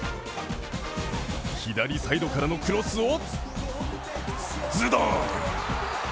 左サイドからのクロスをズトン！